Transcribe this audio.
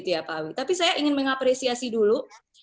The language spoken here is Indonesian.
tapi saya ingin mengapresiasi dulu